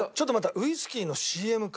ウイスキーのＣＭか。